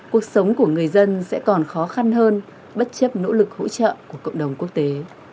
cuộc sống của người dân sẽ còn khó khăn hơn bất chấp nỗ lực hỗ trợ của cộng đồng quốc tế